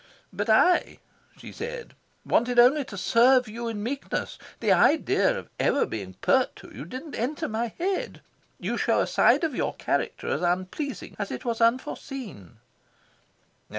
"But I," she said, "wanted only to serve you in meekness. The idea of ever being pert to you didn't enter into my head. You show a side of your character as unpleasing as it was unforeseen."